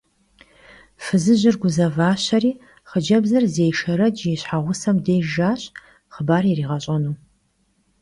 Fızıjır guzevaşeri xhıcebzır zêy Şşerec yi şheğusem dêjj jjaş xhıbar yiriğeş'enu.